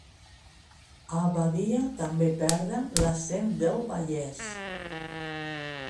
A Badia també perden l'accent del Vallès